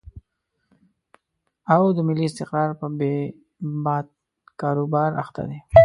او د ملي استقرار په بې باد کاروبار اخته دي.